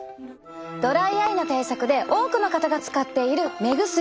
ドライアイの対策で多くの方が使っている目薬。